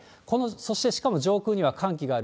そして、しかも上空には寒気がある。